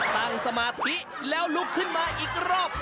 สมาธิแล้วลุกขึ้นมาอีกรอบ